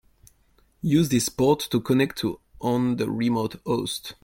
Use this port to connect to on the remote host.